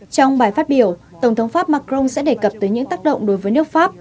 trong bài phát biểu tổng thống pháp macron sẽ đề cập tới những tác động đối với nước pháp